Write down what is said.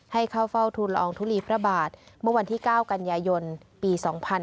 ให้เข้าเฝ้าทุนละอองทุลีพระบาทเมื่อวันที่๙กันยายนปี๒๕๕๙